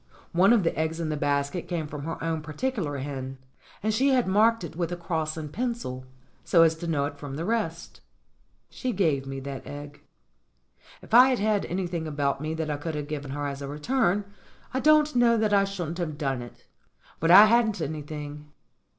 One of the eggs in the basket came from her own particular hen, and she had marked it with a cross in pencil, so as to know it from the rest. She gave me that egg. If I had had anything about me that I could have given her as a return, I don't know that I shouldn't have done it. But I hadn't any thing.